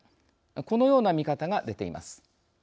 このような見方が出ています。